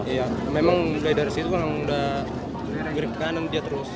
iya memang dari situ kan udah miring ke kanan dia terus